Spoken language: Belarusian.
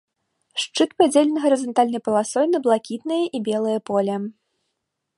Шчыт падзелены гарызантальнай паласой на блакітнае і белае поле.